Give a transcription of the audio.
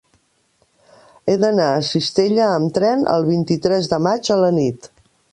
He d'anar a Cistella amb tren el vint-i-tres de maig a la nit.